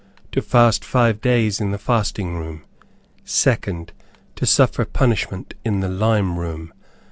To fast five days in the fasting room. Second. To suffer punishment in the lime room.